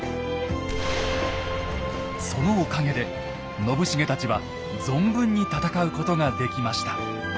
そのおかげで信繁たちは存分に戦うことができました。